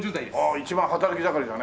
一番働き盛りだね。